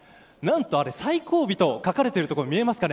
最後尾と書かれている所見えますか。